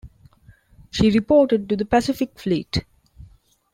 She reported to the Pacific Fleet.